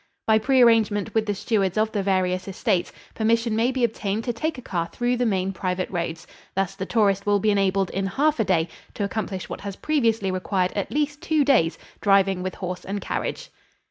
By prearrangement with the stewards of the various estates, permission may be obtained to take a car through the main private roads. Thus the tourist will be enabled in half a day to accomplish what has previously required at least two days driving with horse and carriage.